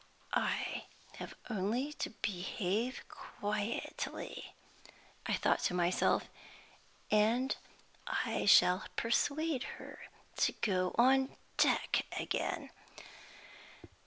"I have only to behave quietly," I thought to myself, "and I shall persuade her to go on deck again."